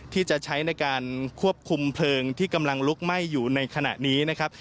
ที่จะใช้ในการควบคุมเพลิงที่กำลังลุกไหม้อยู่ในขณะนี้นะครับ